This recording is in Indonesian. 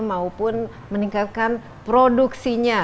maupun meningkatkan produksinya